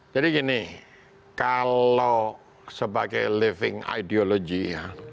jadi gini kalau sebagai living ideology ya